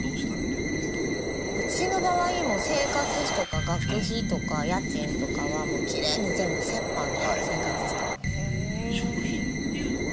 うちの場合もう生活費とか学費とか家賃とかはきれいに全部折半で生活してます。